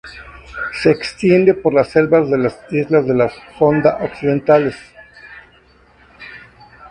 Se extiende por las selvas de las islas de la Sonda occidentales.